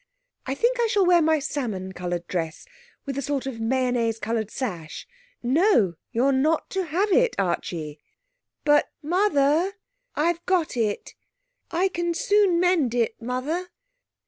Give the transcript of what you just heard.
I think I shall wear my salmon coloured dress with the sort of mayonnaise coloured sash.... (No, you're not to have it, Archie).' 'But, Mother, I've got it.... I can soon mend it, Mother.'